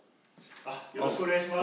よろしくお願いします。